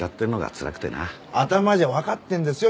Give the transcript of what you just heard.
頭じゃわかってるんですよ